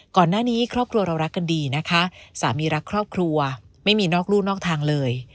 ครอบครัวเรารักกันดีนะคะสามีรักครอบครัวไม่มีนอกรู่นอกทางเลย